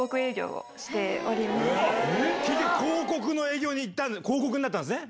結局広告の営業に行った広告になったんですね。